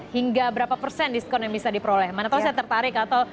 hingga berapa persen diskon yang bisa diperoleh mana tau saya tertarik atau